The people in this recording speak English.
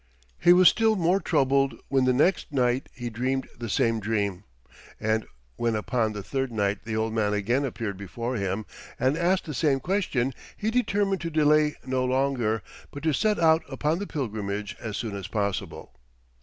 He was still more troubled when the next night he dreamed the same dream; and when upon the third night the old man again appeared before him and asked the same question, he determined to delay no longer, but to set out upon the pilgrimage as soon as possible.